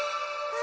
あ！